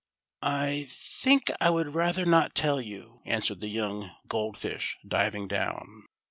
" I think I would rather not tell you," answered the young Gold Fish, diving down.